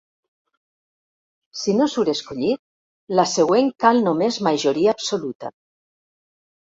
Si no surt escollit, la següent cal només majoria absoluta.